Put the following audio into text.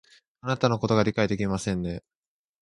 あなたのことを理解ができませんね